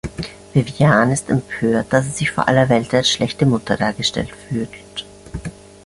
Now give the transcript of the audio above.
Viviane ist empört, da sie sich vor aller Welt als schlechte Mutter dargestellt fühlt.